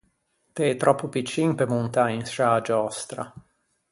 T’ê tròppo piccin pe montâ in sciâ giòstra.